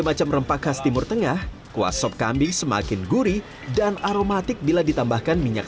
macam rempah khas timur tengah kuah sop kambing semakin gurih dan aromatik bila ditambahkan minyak